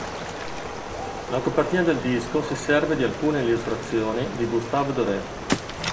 La copertina del disco si serve di alcune illustrazioni di Gustave Doré.